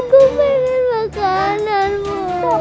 aku pengen makananmu